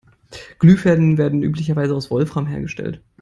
Glühfäden werden üblicherweise aus Wolfram hergestellt.